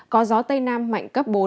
có gió tây nam mạnh cấp bốn